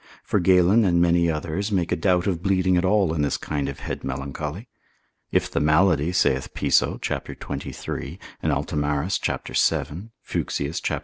For Galen, and many others, make a doubt of bleeding at all in this kind of head melancholy. If the malady, saith Piso, cap. 23. and Altomarus, cap. 7. Fuchsius, cap.